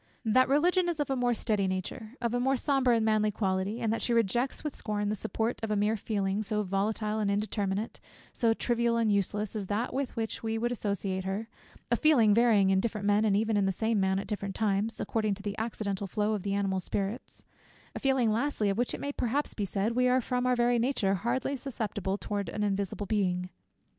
That Religion is of a more steady nature; of a more sober and manly quality; and that she rejects with scorn, the support of a mere feeling, so volatile and indeterminate, so trivial and useless, as that with which we would associate her; a feeling varying in different men, and even in the same man at different times, according to the accidental flow of the animal spirits; a feeling, lastly, of which it may perhaps be said, we are from our very nature, hardly susceptible towards an invisible Being.